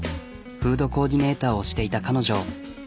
フードコーディネーターをしていた彼女。